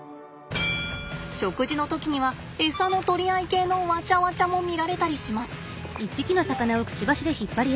食事の時にはエサの取り合い系のワチャワチャも見られたりします。